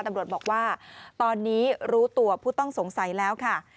ตำรวจบอกว่าตอนนี้รู้ตัวผู้ต้องสงสัยแล้วค่ะ